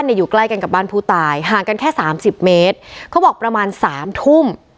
อยู่ใกล้กันกับบ้านผู้ตายห่างกันแค่สามสิบเมตรเขาบอกประมาณสามทุ่ม